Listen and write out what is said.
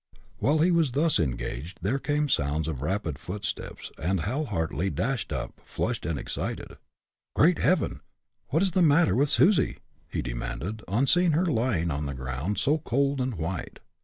While he was thus engaged there came sounds of rapid footsteps, and Hal Hartly dashed up, flushed and excited. "Great Heaven! what is the matter with Susie?" he demanded, on seeing her lying on the ground, so cold and white.